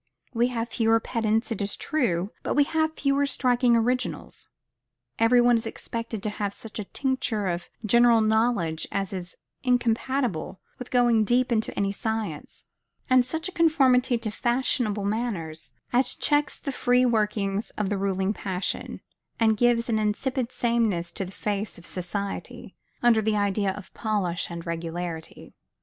We have fewer pedants, it is true, but we have fewer striking originals. Every one is expected to have such a tincture of general knowledge as is incompatible with going deep into any science; and such a conformity to fashionable manners as checks the free workings of the ruling passion, and gives an insipid sameness to the face of society, under the idea of polish and regularity.